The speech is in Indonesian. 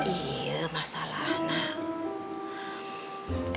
iya masalah anak